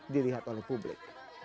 dilihat oleh publik